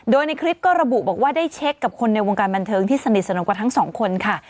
โดยในคลิปก็ระบุบอกว่าได้เช็คกับคนในวงการบันเทิงที่สนิทสนมกว่าทั้งสองคนค่ะ